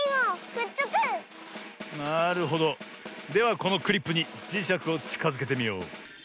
このクリップにじしゃくをちかづけてみよう。